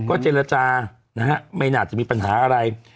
เจรจานะฮะไม่น่าจะมีปัญหาอะไร